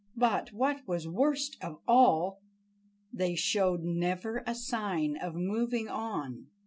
But, what was worst of all, they showed never a sign of moving on.